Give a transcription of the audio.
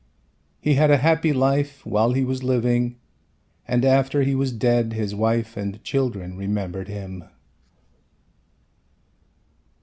He had a happy life while he was living and after he was dead his wife and children remembered him.